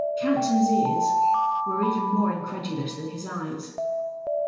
Campton's ears were even more incredulous than his eyes.